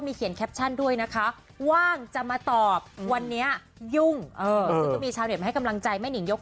มีเขียนแคปชั่นด้วยนะคะว่างจะมาตอบวันเนี้ยยุ่งเอ่อมีชาวเนเธอไม่ให้กำลังใจไม่หนิยก